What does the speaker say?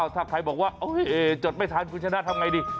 ถ้าใครบอกว่าจดไม่ทันคุณชนะทำไงดี